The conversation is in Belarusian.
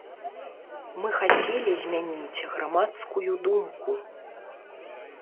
Мы хацелі змяніць грамадскую думку.